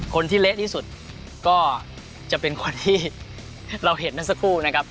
เละที่สุดก็จะเป็นคนที่เราเห็นเมื่อสักครู่นะครับ